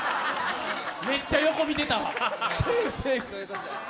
めっちゃ横見てたわ。